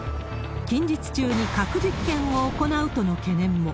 近日中に核実験を行うとの懸念も。